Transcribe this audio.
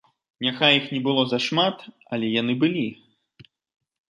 Няхай іх не было зашмат, але яны былі.